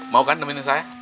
mau kan neminin saya